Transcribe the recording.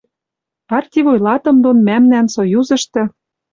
Парти вуйлатым дон мӓмнӓн Союзышты